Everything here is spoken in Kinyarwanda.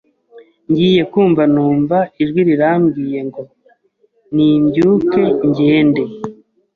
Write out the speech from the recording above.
ngiye kumva numva ijwi rirambwiye ngo nimbyuke ngende